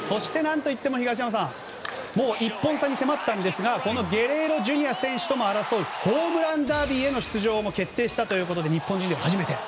そして、何といっても東山さん１本差に迫ったんですがゲレーロ・ジュニア選手とも争うホームランダービーも決定したということで日本人で初めて。